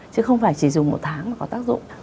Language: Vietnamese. chứ không phải chỉ dùng một tháng là có tác dụng